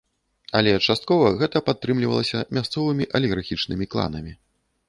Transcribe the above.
Але часткова гэта падтрымлівалася мясцовымі алігархічнымі кланамі.